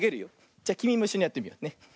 じゃきみもいっしょにやってみようね。